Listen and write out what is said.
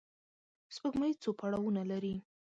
سپوږمۍ څو پړاوونه لري